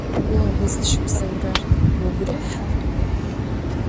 Vo vuzışıpseurer vugu rêha?